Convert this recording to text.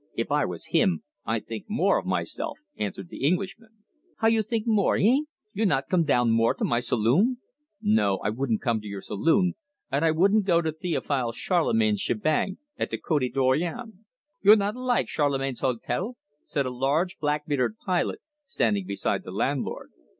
If I was him, I'd think more of myself," answered the Englishman. "How you think more hein? You not come down more to my saloon?" "No, I wouldn't come to your saloon, and I wouldn't go to Theophile Charlemagne's shebang at the Cote Dorion." "You not like Charlemagne's hotel?" said a huge black bearded pilot, standing beside the landlord.